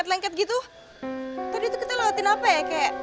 evening papan ini bu electrostati mulia truk